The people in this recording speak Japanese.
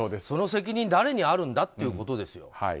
その責任は誰にあるんだということですよ。